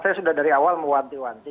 saya sudah dari awal mewanti wanti